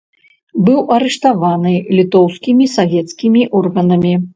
Быў арыштаваны літоўскімі савецкімі органамі.